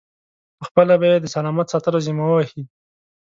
پخپله به یې د سلامت ساتلو ذمه و وهي.